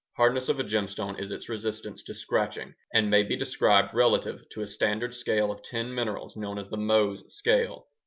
Hardness of a gemstone is its resistance to scratching and may be described relative to a standard scale of 10 minerals known as the Mohs scale.